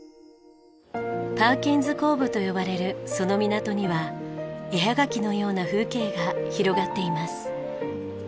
パーキンズコーブと呼ばれるその港には絵はがきのような風景が広がっています。